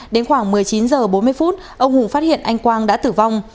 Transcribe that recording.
đến khoảng một mươi chín h bốn mươi ông hùng phát hiện anh quang đã tử vong